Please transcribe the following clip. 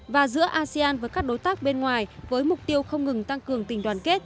và giữa asean với các đối tác bên ngoài với mục tiêu không ngừng tăng cường tình đoàn kết